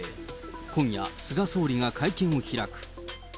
今夜、菅総理が会見を開く。